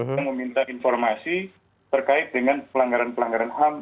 yang meminta informasi terkait dengan pelanggaran pelanggaran ham